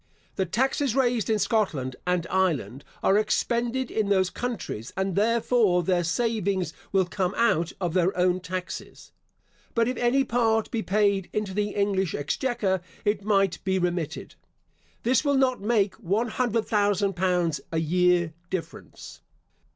The taxes raised in Scotland and Ireland are expended in those countries, and therefore their savings will come out of their own taxes; but if any part be paid into the English exchequer, it might be remitted. This will not make one hundred thousand pounds a year difference.